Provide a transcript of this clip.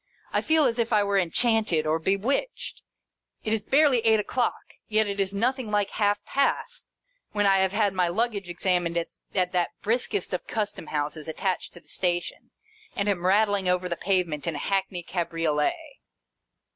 I feel as if I were enchanted or bewitched. It is barely eight o'clock yet — it is nothing like half past — when I have had my luggage examined at that briskest of Custom Houses attached to the station, and am rattling over the pavement in a Hackney cabriolet.